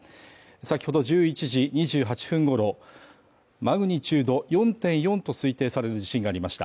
先ほど１１時２８分頃マグニチュード４．４と推定される地震がありました。